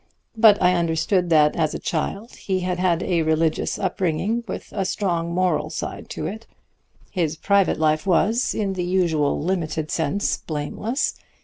But I understood that as a child he had had a religious up bringing with a strong moral side to it. His private life was, in the usual limited sense, blameless.